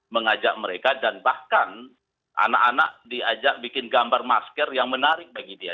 mengajak mereka dan bahkan anak anak diajak bikin gambar masker yang menarik bagi dia